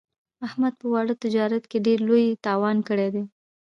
احمد په واړه تجارت کې ډېر لوی تاوان کړی دی.